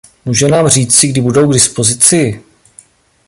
Může nám říci, kdy budou k dispozici?